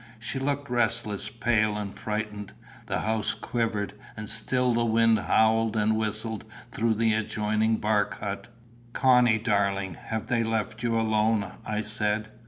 She looked restless, pale, and frightened. The house quivered, and still the wind howled and whistled through the adjoining bark hut. "Connie, darling, have they left you alone?" I said.